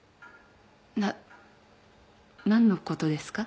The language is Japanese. な何のことですか？